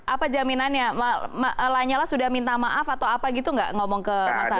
apa jaminannya lanyala sudah minta maaf atau apa gitu nggak ngomong ke mas ari